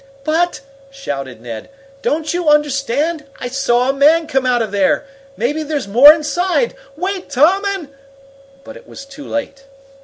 "But," shouted Ned, "don't you understand? I saw a man come out of there! Maybe there's more inside! Wait, Tom, and " But it was too late.